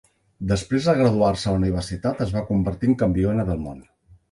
Després de graduar-se a la universitat es va convertir en campiona del món.